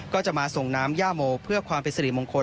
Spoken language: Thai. ก็จะมาส่งน้ำย่าโมเพื่อความปริศนีย์มงคล